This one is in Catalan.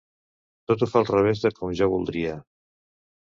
Tot ho fa al revés de com jo voldria.